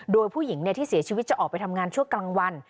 โดยผู้หญิงที่เสียชีวิตจะออกไปทำงานชั่วกลางวัน